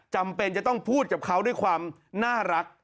จำเป็นจะต้องพูดกับเขาด้วยความน่ารัก